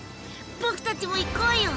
僕たちも行こうよ！